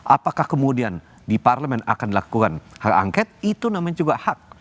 apakah kemudian di parlemen akan dilakukan hak angket itu namanya juga hak